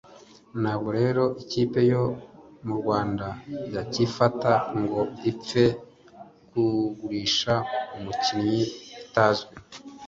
Ntabwo rero ikipe yo murwanda yakifata ngo ipfe kugurisha umukinnyi bitazwi